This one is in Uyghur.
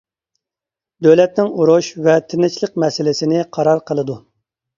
دۆلەتنىڭ ئۇرۇش ۋە تىنچلىق مەسىلىسىنى قارار قىلىدۇ.